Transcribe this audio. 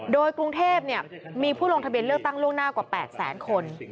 โดยกรุงเทพมีผู้ลงทะเบียนเลือกตั้งล่วงหน้ากว่า๘แสนคน